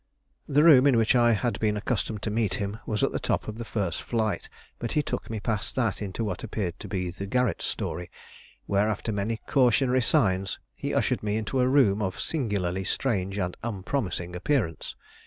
The room in which I had been accustomed to meet him was at the top of the first flight, but he took me past that into what appeared to be the garret story, where, after many cautionary signs, he ushered me into a room of singularly strange and unpromising appearance.